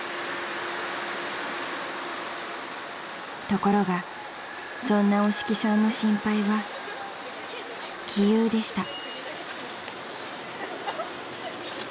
［ところがそんな押木さんの心配は杞憂でした］